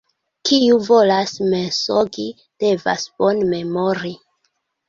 Kiu volas mensogi, devas bone memori.